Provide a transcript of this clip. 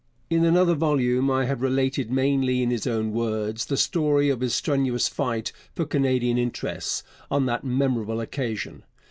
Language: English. In another volume I have related, mainly in his own words, the story of his strenuous fight for Canadian interests on that memorable occasion.